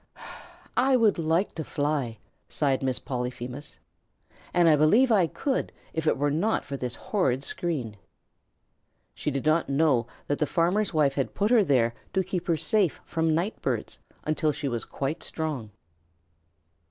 "I would like to fly," sighed Miss Polyphemus, "and I believe I could if it were not for this horrid screen." She did not know that the farmer's wife had put her there to keep her safe from night birds until she was quite strong.